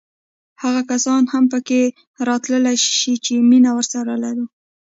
هغه کسان هم پکې راتللی شي چې مینه ورسره لرو.